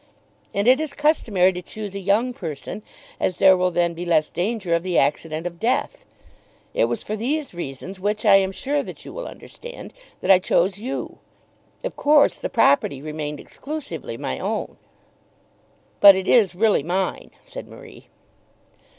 And it is customary to choose a young person, as there will then be less danger of the accident of death. It was for these reasons, which I am sure that you will understand, that I chose you. Of course the property remained exclusively my own." "But it is really mine," said Marie.